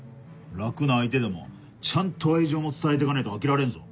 楽な相手でもちゃんと愛情も伝えてかないと飽きられるぞ。